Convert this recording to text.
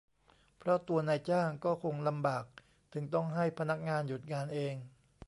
เพราะตัวนายจ้างก็คงลำบากถึงต้องให้พนักงานหยุดงานเอง